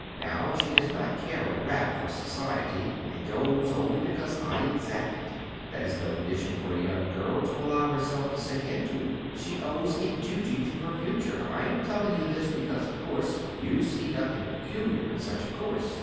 Now, she does not care a rap for society, and goes only because I exact it. That is no condition for a young girl to allow herself to sink into; she owes a duty to her future. I am telling you this because, of course, you see nothing peculiar in such a course.